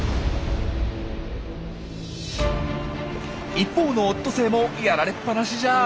一方のオットセイもやられっぱなしじゃありません。